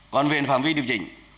còn về phạm vi điều chỉnh